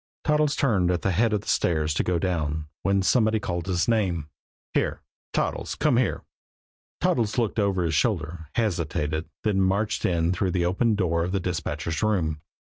Toddles turned at the head of the stairs to go down, when somebody called his name. "Here Toddles! Come here!" Toddles looked over his shoulder, hesitated, then marched in through the open door of the dispatchers' room.